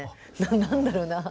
何だろうな。